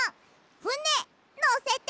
ふねのせて！